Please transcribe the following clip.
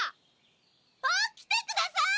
・起きてください！